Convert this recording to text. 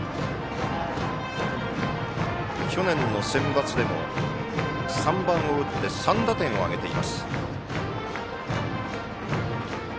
去年のセンバツでも３番を打って３打点を挙げています。